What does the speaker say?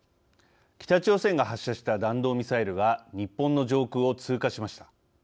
北朝鮮が発射した弾道ミサイルが日本の上空を通過しました。